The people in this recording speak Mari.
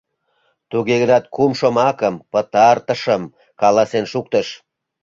Туге гынат кум шомакым, пытартышым, каласен шуктыш.